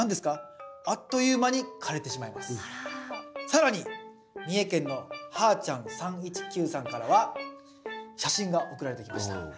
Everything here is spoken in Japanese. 更に三重県のはーちゃん３１９さんからは写真が送られてきました。